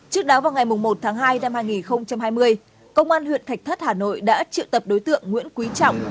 trước đó vào ngày một tháng hai năm hai nghìn hai mươi công an huyện thạch thất hà nội đã triệu tập đối tượng nguyễn quý trọng